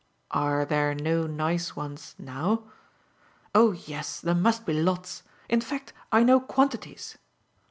"Are there no nice ones now?" "Oh yes, there must be lots. In fact I know quantities."